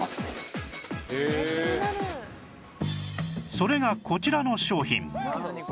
それがこちらの商品